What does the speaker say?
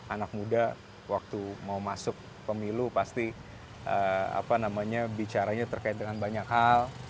anak muda waktu mau masuk pemilu pasti bicaranya terkait dengan banyak hal